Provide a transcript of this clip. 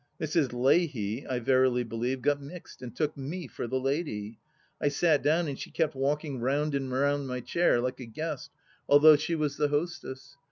Mrs. Leahy, I verily believe, got mixed, and took me for the lady. I sat down, and she kept walking pound apd round my chair, like a guest, although she was THE LAST DITCH 201 the hostess.